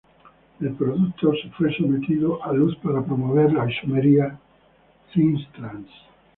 El producto se fue sometido a luz para promover la isomería cis-trans.